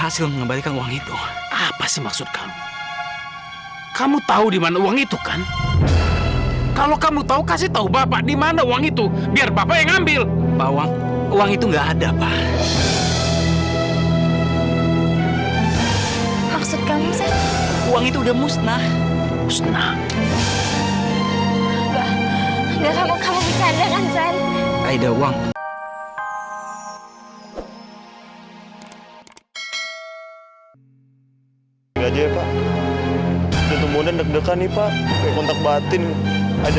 sampai jumpa di video selanjutnya